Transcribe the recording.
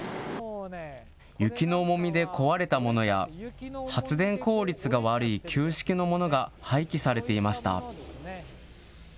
雪の重みで壊れたものや、発電効率が悪い旧式のものが廃棄されていました。